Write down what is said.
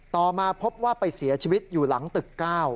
ต่อมาพบว่าไปเสียชีวิตอยู่หลังตึก๙